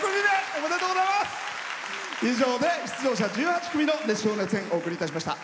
以上で出場者１８組の熱唱・熱演お送りいたしました。